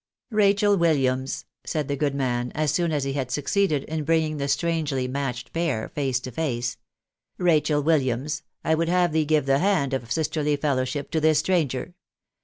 "Rachel Williams," said the good man, as soon as he had suc ceeded in bringing the strangely matched pair face to face, " Rachel Wilhams, I would have thee give the hand of sisterly fellowship to this stranger.